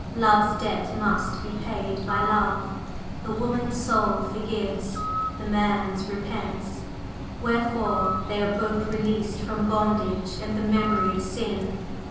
Love's debt must be paid by Love! The woman's soul forgives; the man's repents, wherefore they are both released from bondage and the memory of sin.